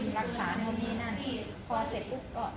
สวัสดีครับ